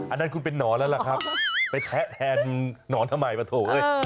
อันนั้นคุณเป็นนอนแล้วล่ะครับไปแทะแทนหนอนทำไมปะโถเอ้ย